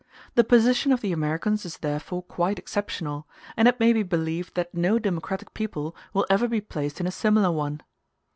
The position of the Americans is therefore quite exceptional, and it may be believed that no democratic people will ever be placed in a similar one.